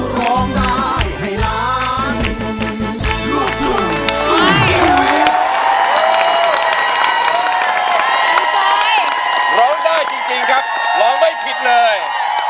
ร้องได้จริงจริงครับร้องไม่ผิดเลย